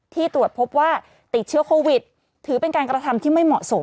ตรวจพบว่าติดเชื้อโควิดถือเป็นการกระทำที่ไม่เหมาะสม